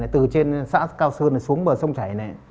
từ trên xã cao sơn xuống bờ sông chảy